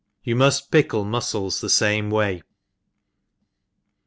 You moft pickle mufcles the fame way.